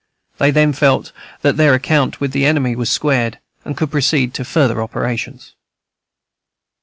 They then felt that their account with the enemy was squared, and could proceed to further operations.